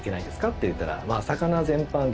って言ったら。